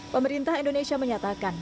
pemerintah indonesia menyatakan